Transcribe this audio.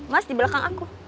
mas dibelakang aku